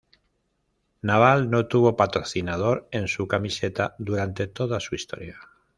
Naval no tuvo patrocinador en su camiseta durante toda su historia.